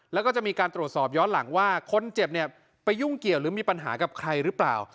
แล้วก็จะมีการตรวจสอบย้อนหลังว่าคนเจ็บเนี่ยไปยุ่งเกี่ยวหรือมีปัญหากับใครหรือเปล่า